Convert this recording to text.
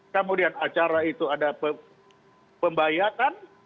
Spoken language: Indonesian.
kemudian acara itu ada pembayatan